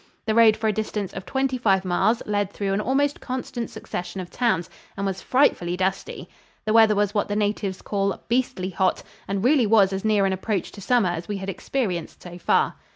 The road for a distance of twenty five miles led through an almost constant succession of towns and was frightfully dusty. The weather was what the natives call "beastly hot," and really was as near an approach to summer as we had experienced so far.